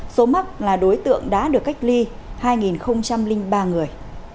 số mắc là đối tượng đã được cách ly hai ba người